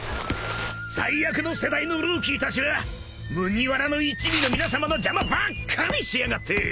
［最悪の世代のルーキーたちは麦わらの一味の皆さまの邪魔ばっかりしやがって］